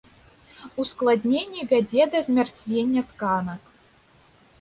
Ускладненне вядзе да змярцвення тканак.